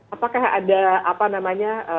apakah ada apa namanya